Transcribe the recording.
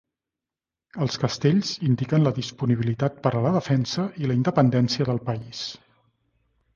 Els castells indiquen la disponibilitat per a la defensa i la independència del país.